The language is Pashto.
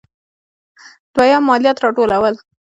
دویم: مالیات راټولول.